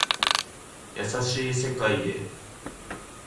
優しい世界へ